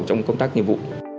trong công tác nhiệm vụ